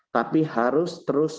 tapi harus terus